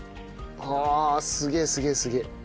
ああすげえすげえすげえ。